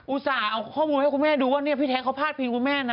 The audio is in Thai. ต่าเอาข้อมูลให้คุณแม่ดูว่าเนี่ยพี่แท็กเขาพาดพิงคุณแม่นะ